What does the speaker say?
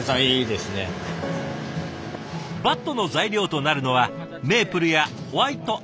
バットの材料となるのはメープルやホワイトアッシュなどの木材。